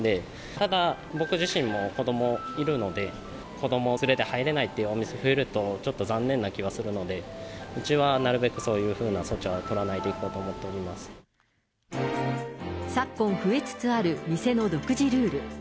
ただ、僕自身も子どもいるので、子どもを連れて入れないっていうお店が増えると、ちょっと残念な気はするので、うちはなるべくそういうふうな措置は取らないでいこうと思ってお昨今、増えつつある店の独自ルール。